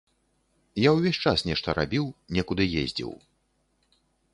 Я ўвесь час нешта рабіў, некуды ездзіў.